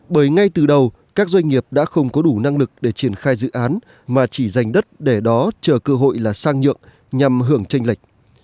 bởi ngay từ đầu các doanh nghiệp đã không có đủ năng lực để triển khai dự án mà chỉ dành đất để đó chờ cơ hội là sang nhượng nhằm hưởng tranh lệch